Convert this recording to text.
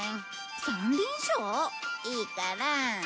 三輪車？いいから。